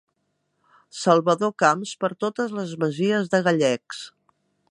Salvador Camps per totes les masies de Gallecs.